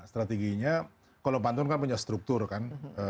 strateginya kalau pantun kan punya struktur kan